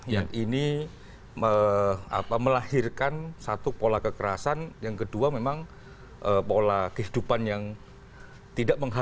yang ini melahirkan satu pola kekerasan yang kedua memang pola kehidupan yang tidak menghalangi